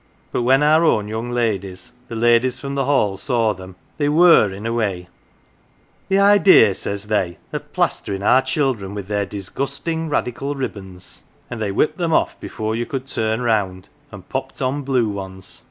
But when our own young ladies the ladies from the Hall saw them, they were in a way. 114 POLITICS '"The idea,' says they, 'of plastering our children with their disgusting Radical ribbons.' And they whipped them off before you could turn round, and popped on blue ones.